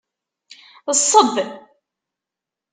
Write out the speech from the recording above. Ṣṣeb!